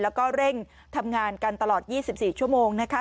แล้วก็เร่งทำงานกันตลอด๒๔ชั่วโมงนะคะ